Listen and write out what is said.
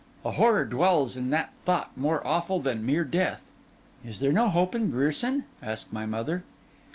A horror dwells in that thought more awful than mere death.' 'Is there no hope in Grierson?' asked my mother.